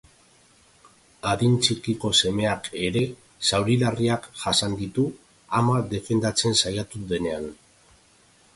Adin txikiko semeak ere zauri larriak jasan ditu ama defendatzen saiatu denean.